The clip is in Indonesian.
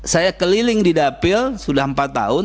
saya keliling di dapil sudah empat tahun